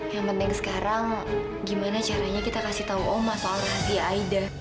yang penting sekarang gimana caranya kita kasih tau oma soal rahasia aida